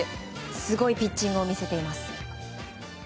すごいピッチングを見せています。